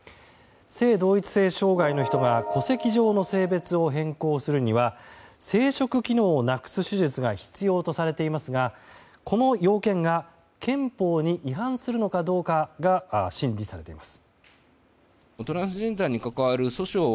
性同一性障害の人が戸籍上の性別を変更するには生殖機能をなくす手術が必要とされていますがこの要件が憲法に違反するのかが審理されています。